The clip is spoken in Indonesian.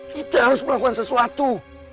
kita harus melakukan sesuatu